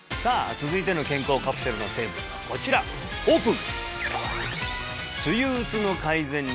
続いての健康カプセルの成分はこちらオープン！